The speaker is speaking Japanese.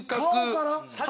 顔から？